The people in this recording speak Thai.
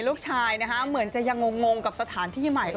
ลูกชายเหมือนจะยังงงกับสถานที่ใหม่